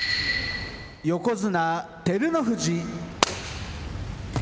横綱・照ノ富士。